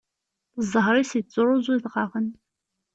Zzheṛ-is ittṛuẓu idɣaɣen.